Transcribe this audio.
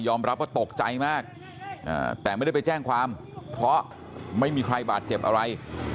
รับว่าตกใจมากแต่ไม่ได้ไปแจ้งความเพราะไม่มีใครบาดเจ็บอะไร